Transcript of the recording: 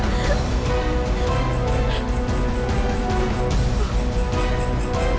aku di p eat